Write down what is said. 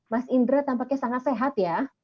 mas indra tampaknya sangat sehat ya